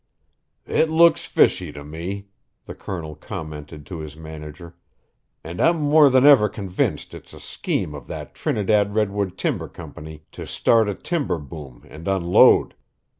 "It looks fishy to me," the Colonel commented to his manager, "and I'm more than ever convinced it's a scheme of that Trinidad Redwood Timber Company to start a timber boom and unload.